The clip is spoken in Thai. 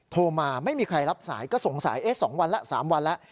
โทรมาไม่มีใครรับสายก็สงสัย๒วันแล้ว๓วันแล้ว